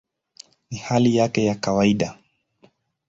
Ni hali ya kawaida".